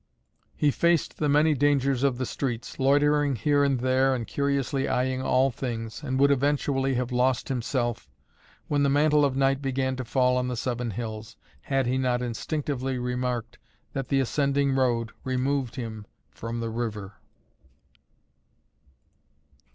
He faced the many dangers of the streets, loitering here and there and curiously eyeing all things, and would eventually have lost himself, when the mantle of night began to fall on the Seven Hills, had he not instinctively remarked that the ascending road removed him from the river.